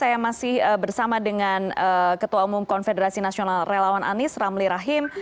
saya masih bersama dengan ketua umum konfederasi nasional relawan anies ramli rahim